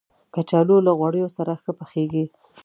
کچالو له غوړیو سره ښه پخیږي